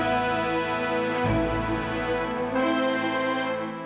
kamila akan memilih